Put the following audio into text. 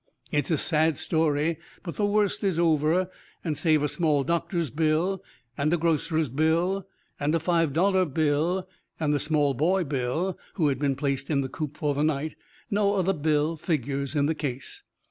It's a sad story, but the worst is over, and save a small doctor's bill, and a grocer's bill, and a five dollar bill, and the small boy, Bill, who has been placed in the coop for the night, no other bill figures in the case.